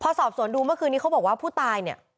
พอสอบสวนดูเมื่อคืนนี้เขาบอกว่าผู้ตายเนี่ย